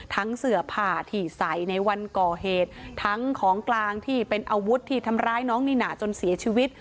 เสือผ่าที่ใส่ในวันก่อเหตุทั้งของกลางที่เป็นอาวุธที่ทำร้ายน้องนิน่าจนเสียชีวิต